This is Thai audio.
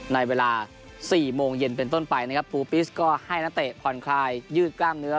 ในเวลา๔โมงเย็นเป็นต้นไปนะครับปูปิสก็ให้นักเตะผ่อนคลายยืดกล้ามเนื้อ